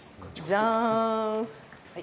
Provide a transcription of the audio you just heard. じゃーん！